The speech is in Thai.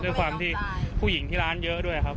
ด้วยความที่ผู้หญิงที่ร้านเยอะด้วยครับ